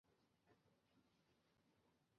比克堡是德国下萨克森州的一个市镇。